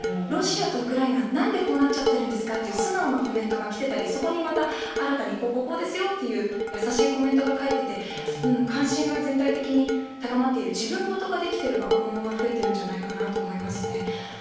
ロシアとウクライナ、なんでこうなっちゃっているんですかっていう、素直なコメントが来てたり、そこにまた新たに、こうこうこうですよという優しいコメントが返ってて、関心が全体的に高まっている、自分事ができている若者が増えているんじゃないかなと思いますね。